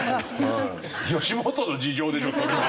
吉本の事情でしょそれは。